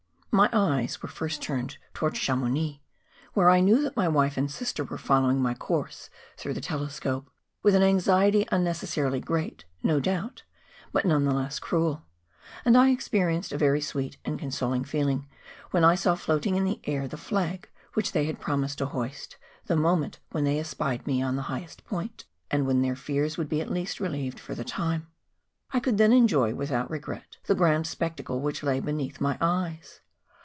]\Iy eyes were first turned towards Chamounix, where I knew that my wife and sister were following my course through the telescope, with an anxiety unnecessarily great, no doubt, but none the less cruel; and I experienced a very sweet and consoling feel¬ ing when I saw floating in the air the flag which they had promised to hoist the moment when they espied me on the highest point, and '^dien their fears would be at least relieved for the time. I could then enjoy, without regret, the grand spectacle which lay beneath my eyes.